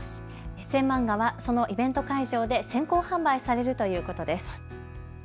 エッセー漫画はそのイベント会場で先行販売されるということです。